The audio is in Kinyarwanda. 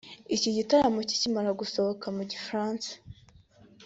Iki gitabo kikimara gusohoka mu Gifaransa